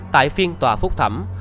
tại phiên tòa phúc thẩm